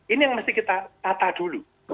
ini yang mesti kita tata dulu